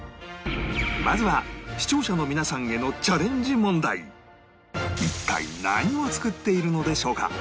まずは視聴者の皆さんへの一体何を作っているのでしょうか？